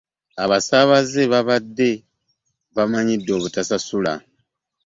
Abasaabaze babadde bamanyidde obutasasula.